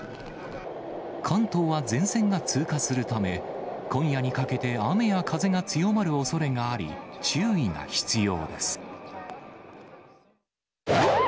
関東は前線が通過するため、今夜にかけて雨や風が強まるおそれがあり、注意が必要です。